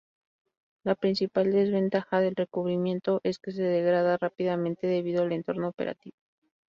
La principal desventaja del recubrimiento es que se degrada rápidamente debido al entorno operativo.